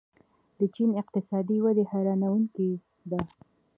د چین اقتصادي وده حیرانوونکې ده.